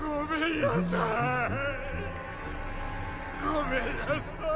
（粟坂ごめんなさい！